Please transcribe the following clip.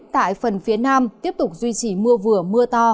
tại phần phía nam tiếp tục duy trì mưa vừa mưa to